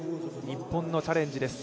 日本のチャレンジです。